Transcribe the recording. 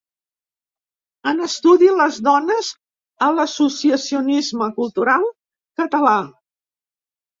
En l’estudi Les dones a l’associacionisme cultural català.